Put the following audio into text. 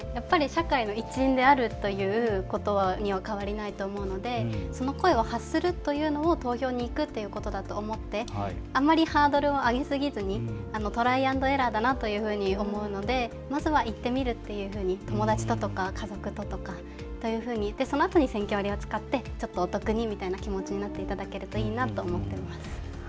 社会の一員であるということには変わりないと思うので、その声を発するというのを投票に行くっていうことだと思って、あまりハードルを上げすぎずにトライアンドエラーだなというふうに思うのでまずは行ってみるというふうに友達とか家族とかそういうふうにいってそのあとにセンキョ割を使ってちょっとお特にという気持ちになっていただければと思います。